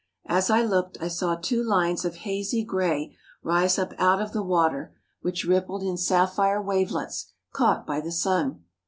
As I looked I saw two lines of hazy 15 THE HOLY LAND AND SYRIA gray rise up out of the water, which rippled in sapphire wavelets, caught by the sun.